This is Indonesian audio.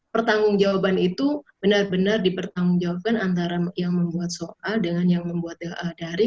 pertanggungjawaban itu benar benar dipertanggungjawabkan antara yang membuat soal dengan yang membuat dari